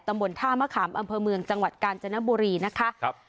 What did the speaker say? ตำบลท่ามะขามอำเภอเมืองจังหวัดกาญจนบุรีนะคะครับ